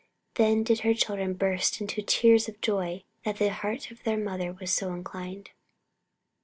Then did her children burst into tears for joy that the heart of their mother was so inclined.